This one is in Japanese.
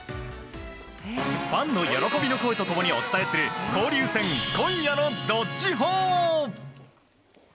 ファンの喜びの声と共にお伝えする交流戦、今夜の「＃どっちほー」。